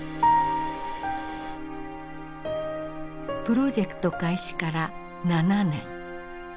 プロジェクト開始から７年。